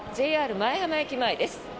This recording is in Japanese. ＪＲ舞浜駅前です。